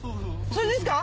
それですか？